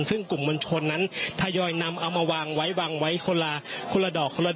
ซึ่งกลุ่มวลชนนั้นทยอยนำเอามาวางไว้คนละดอก